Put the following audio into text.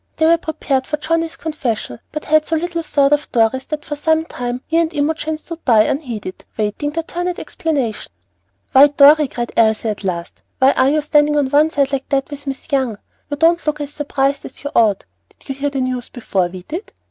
They were prepared for Johnnie's confession, but had so little thought of Dorry's that for some time he and Imogen stood by unheeded, waiting their turn at explanation. "Why, Dorry," cried Elsie at last, "why are you standing on one side like that with Miss Young? You don't look as surprised as you ought. Did you hear the news before we did?